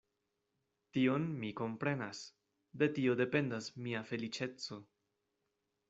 Tion mi komprenas; de tio dependas mia feliĉeco.